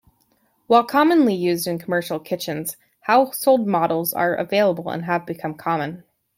While commonly used in commercial kitchens, household models are available and have become common.